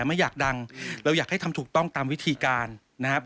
ไม่อยากดังเราอยากให้ทำถูกต้องตามวิธีการนะครับ